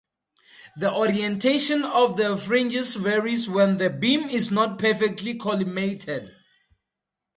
The orientation of the fringes varies when the beam is not perfectly collimated.